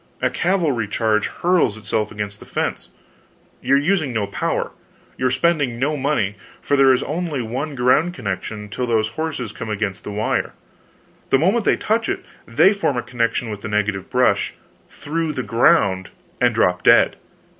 A cavalry charge hurls itself against the fence; you are using no power, you are spending no money, for there is only one ground connection till those horses come against the wire; the moment they touch it they form a connection with the negative brush through the ground, and drop dead.